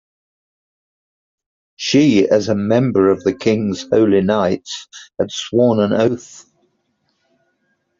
She, as a member of the king's holy knights, had sworn an oath.